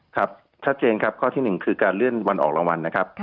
ครับชัดเจนครับข้อที่๑คือการเลื่อนวันออกรางวัลนะครับ